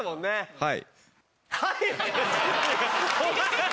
はい。